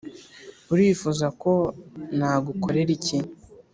urifuza ko nagukorera iki